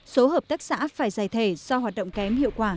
số hợp tác xã phải giải thể do hoạt động kém hiệu quả